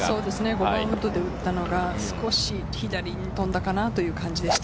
５番ウッドで打ったのが少し左に飛んだかなという感じでした。